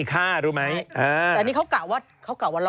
กระเป๋าก็ได้ใบเดียว